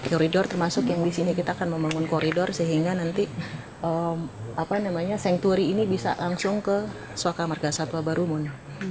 koridor termasuk yang di sini kita akan membangun koridor sehingga nanti sanctuary ini bisa langsung ke suaka marga satwa barumun